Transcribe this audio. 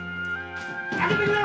開けてくれ！